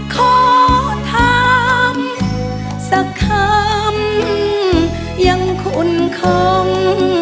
ขอถามสักคำยังคุณคง